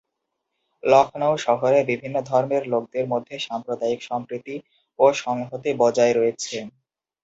লক্ষ্ণৌ শহরে বিভিন্ন ধর্মের লোকদের মধ্যে সাম্প্রদায়িক সম্প্রীতি ও সংহতি বজায় রয়েছে।